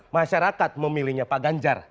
masyarakat memilihnya pak ganjar